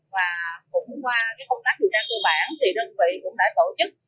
và cũng qua công tác điều tra cơ bản thì đơn vị cũng đã tổ chức